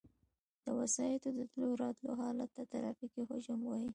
د وسایطو د تلو راتلو حالت ته ترافیکي حجم وایي